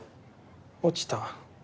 落ちた。